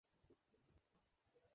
এমজের বহু আগে থেকেই জানি আমি।